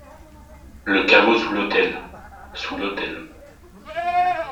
Le caveau sous l'autel ! Sous l'autel.